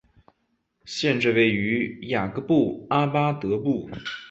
县治位于雅各布阿巴德市。